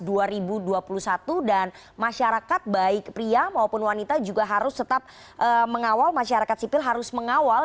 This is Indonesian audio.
dan juga untuk masyarakat pria maupun wanita juga harus tetap mengawal masyarakat sipil harus mengawal